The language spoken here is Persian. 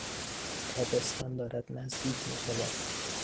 تابستان دارد نزدیک میشود.